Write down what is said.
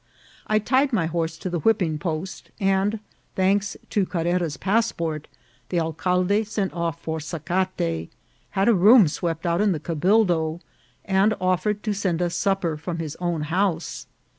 I tied my horse to the whipping post, and, thanks to Carrera's passport, the alcalde sent off for sa cate, had a room swept out in the cabildo, and offered to send us supper from his own house.